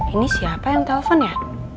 ini siapa yang telpon ya